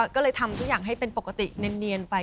ก็เลยทำทุกอย่างให้เป็นปกติเนียนไป